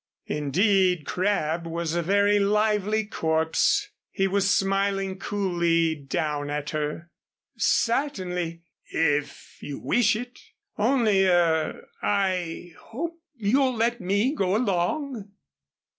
Indeed, Crabb was a very lively corpse. He was smiling coolly down at her. "Certainly, if you wish it. Only er I hope you'll let me go along."